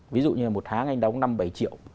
ví dụ như là một tháng anh đóng năm bảy triệu